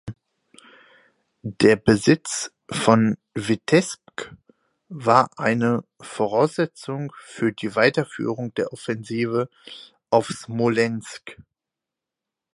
Der Besitz von Witebsk war eine Voraussetzung für die Weiterführung der Offensive auf Smolensk.